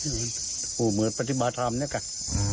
เหมือนปฏิบัติธรรมนี่ก่อน